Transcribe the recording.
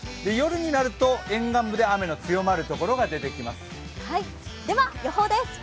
夜になると沿岸部で雨の強まるところが出てきます。